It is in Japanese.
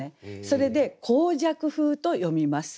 それで「黄雀風」と読みます。